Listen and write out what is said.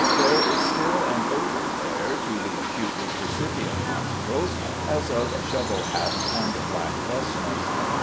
There is still an odour there to the acutely percipient nostrils as of shovel hats and black vestments.